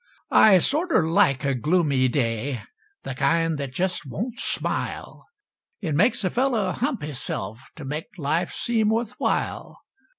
I sorter like a gloomy day, Th' kind that jest won't smile; It makes a feller hump hisself T' make life seem wuth while.